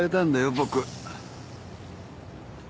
僕。